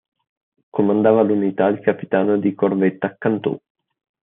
Comandava l'unità il capitano di corvetta Cantù.